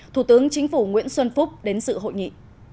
thủ tướng chính phủ nguyễn xuân phúc đến sự hội nghị